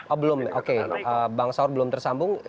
oh belum oke bang saur belum tersambung